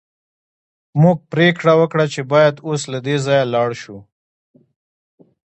موږ پریکړه وکړه چې باید اوس له دې ځایه لاړ شو